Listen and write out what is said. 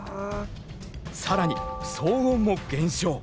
更に騒音も減少。